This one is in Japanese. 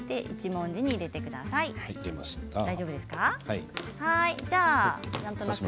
大丈夫です。